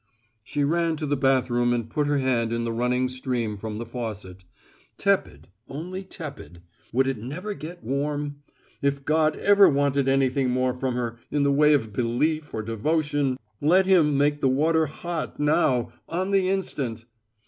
She ran to the bathroom and put her hand in the running stream from the faucet. Tepid, only tepid. Would it never get warm? If God ever wanted anything more from her in the way of belief or devotion let Him make this water hot, now, on the instant.